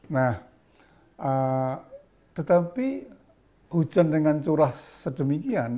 nah tetapi hujan dengan curah sedemikian